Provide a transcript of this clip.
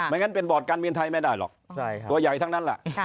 งั้นเป็นบอร์ดการบินไทยไม่ได้หรอกตัวใหญ่ทั้งนั้นแหละ